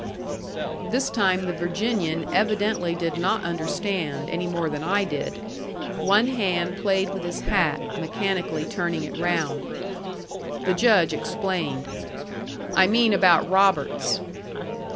This time the Virginian evidently did not understand, any more than I did. One hand played with his hat, mechanically turning it round. The Judge explained. "I mean about Roberts."